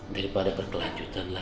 daripada perkelanjutan lah